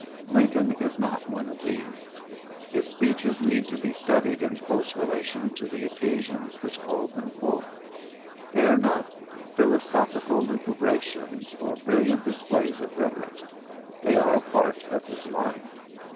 Lincoln is not one of these. His speeches need to be studied in close relation to the occasions which called them forth. They are not philosophical lucubrations or brilliant displays of rhetoric. They are a part of his life.